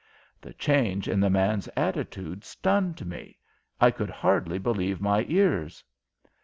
The change in the man's attitude stunned me. I could hardly believe my ears.